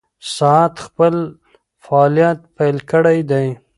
ساعت خپل فعالیت پیل کړی دی.